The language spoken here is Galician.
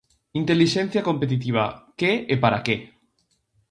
Intelixencia Competitiva: Que e para que?